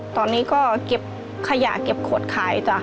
ตอนนี้ก็เก็บขยะเก็บขวดขายจ้ะ